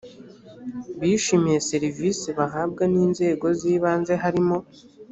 bishimiye serivisi bahabwa n inzego z ibanze harimo